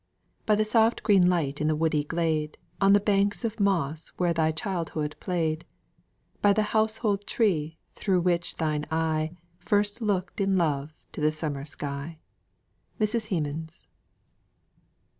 "By the soft green light in the woody glade, On the banks of moss where thy childhood played By the household tree, thro' which thine eye First looked in love to the summer sky." MRS. HEMANS.